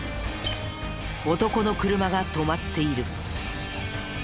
男の車が止まっている。